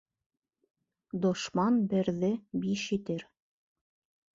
Дошман берҙе биш итер.